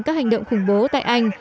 các hành động khủng bố tại anh